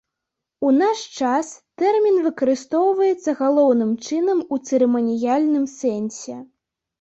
У наш час тэрмін выкарыстоўваецца галоўным чынам у цырыманіяльным сэнсе.